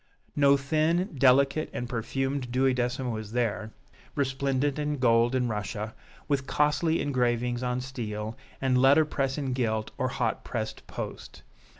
No thin, delicate and perfumed duodecimo is there, resplendent in gold and Russia, with costly engravings on steel, and letter press in gilt or hot pressed post.